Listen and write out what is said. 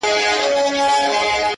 خلک خپل ژوند ته ځي تل-